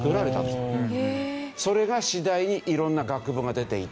それが次第に色んな学部が出ていった。